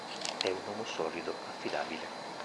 È un uomo solido, affidabile.